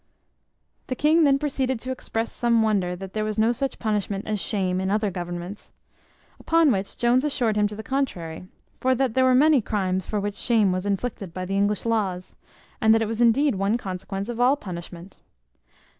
The king then proceeded to express some wonder that there was no such punishment as shame in other governments. Upon which Jones assured him to the contrary; for that there were many crimes for which shame was inflicted by the English laws, and that it was indeed one consequence of all punishment.